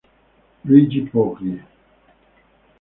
Luigi Poggi.